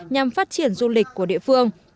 nhằm phát triển du lịch của địa phương